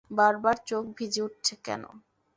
বারবার চোখ ভিজে উঠছে কেন?